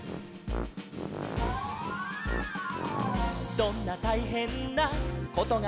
「どんなたいへんなことがおきたって」